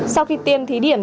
sau khi tiêm thí điểm